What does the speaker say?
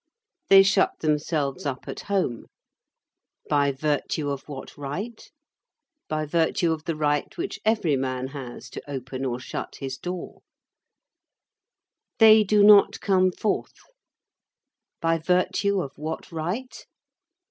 They shut themselves up at home. By virtue of what right? By virtue of the right which every man has to open or shut his door. They do not come forth. By virtue of what right?